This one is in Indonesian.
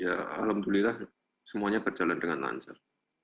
ya alhamdulillah semuanya berjalan dengan lancar